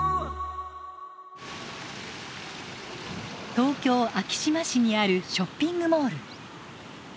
東京・昭島市にあるショッピングモール。